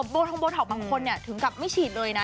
โบทงโบท็อกบางคนถึงกับไม่ฉีดเลยนะ